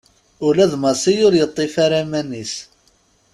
Ula d Massi ur yeṭṭif ara iman-is.